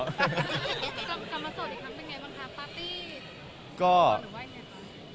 กลับมาสดอีกครั้งเป็นไงบ้างคะปาร์ตี้